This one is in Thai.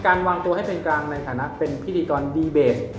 วางตัวให้เป็นกลางในฐานะเป็นพิธีกรดีเบต